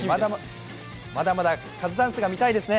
まだまだカズダンスが見たいですね。